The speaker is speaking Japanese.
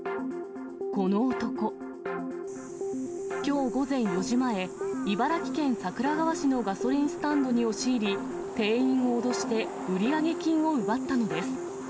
この男、きょう午前４時前、茨城県桜川市のガソリンスタンドに押し入り、店員を脅して売上金を奪ったのです。